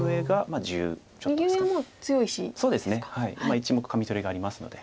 １目カミ取りがありますので。